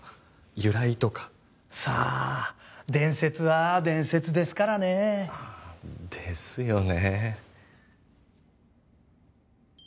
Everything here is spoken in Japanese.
由来とかさあ伝説は伝説ですからねえですよね